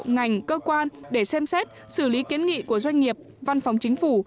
ngành cơ quan để xem xét xử lý kiến nghị của doanh nghiệp văn phòng chính phủ